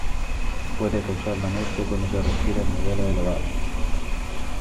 Puede causar la muerte cuando se respira en niveles elevados.